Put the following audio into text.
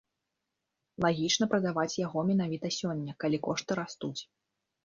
Лагічна прадаваць яго менавіта сёння, калі кошты растуць.